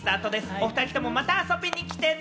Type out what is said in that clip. おふたりとも、また遊びに来てね。